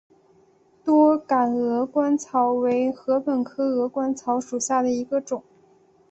多秆鹅观草为禾本科鹅观草属下的一个种。